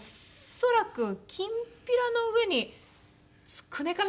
恐らくきんぴらの上につくねか